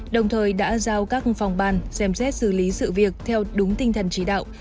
đồng thời đã giao các phòng ban xem xét xử lý sự việc theo đúng tinh thần chỉ đạo